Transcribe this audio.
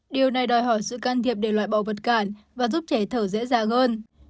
điều này đòi hỏi sự can thiệp để loại bỏ vật cản và giúp trẻ thở dễ dàng hơn